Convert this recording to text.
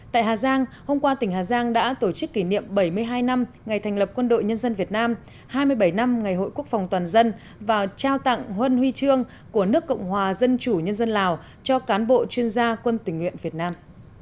tại hà giang hôm qua tỉnh hà giang đã tổ chức kỷ niệm bảy mươi hai năm ngày thành lập quân đội nhân dân việt nam hai mươi bảy năm ngày hội quốc phòng toàn dân và trao tặng huân huy trương của nước cộng hòa dân chủ nhân dân lào cho cán bộ chuyên gia quân tỉnh nguyện việt nam